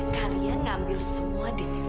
kalian ambil semua di